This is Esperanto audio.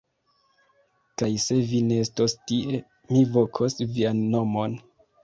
Kaj se vi ne estos tie, mi vokos vian nomon!